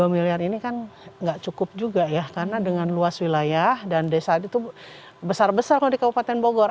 dua miliar ini kan nggak cukup juga ya karena dengan luas wilayah dan desa itu besar besar kalau di kabupaten bogor